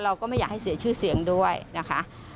เราก็ไม่อยากให้เสียชื่อเสียงด้วยนะคะ